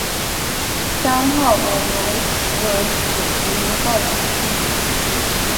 三或五枚雌蕊组成一个子房。